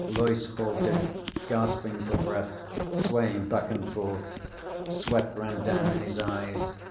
Loyce halted, gasping for breath, swaying back and forth. Sweat ran down in his eyes.